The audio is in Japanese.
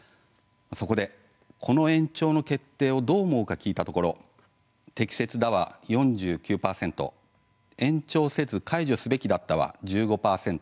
そこで、この延長の決定をどう思うか聞いたところ「適切だ」は４９％「延長せず解除すべきだった」は１５％